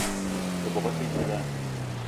Ebok e pe dilaah?